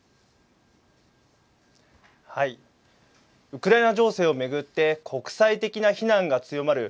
ウクライナ情勢を巡って国際的な非難が強まる